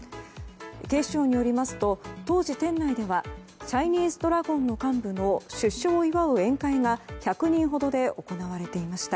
警視庁によりますと当時、店内ではチャイニーズドラゴンの幹部の出所を祝う宴会が１００人ほどで行われていました。